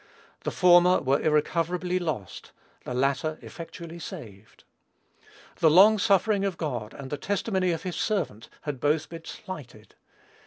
The former were irrecoverably lost; the latter, effectually saved. The long suffering of God, and the testimony of his servant, had both been slighted.